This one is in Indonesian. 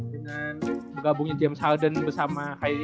dengan gabungnya james harden bersama kyle irving